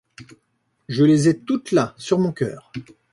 Je les ai toutes là, sur mon cœur.